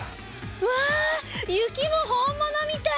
うわ雪も本物みたい！